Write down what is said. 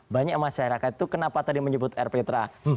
banyak masyarakat itu kenapa tadi menyebut air petra